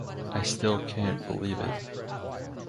I still can't believe it.